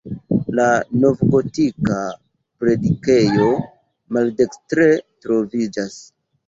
La novgotika predikejo maldekstre troviĝas.